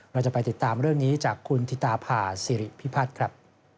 เราจะไปติดตามเรื่องนี้จากคุณธิตาพาสิริพิพัฒน์ครับ